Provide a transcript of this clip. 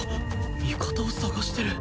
味方を捜してる